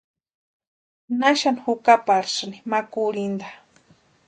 ¿Naxani jukaparhaïni ma kurhinta?